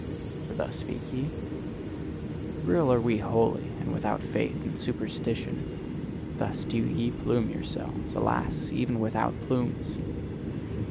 For thus speak ye: "Real are we wholly, and without faith and superstition": thus do ye plume yourselves alas! even without plumes!